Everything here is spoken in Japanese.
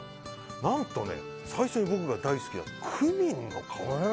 何と最初に僕が大好きなクミンの香り。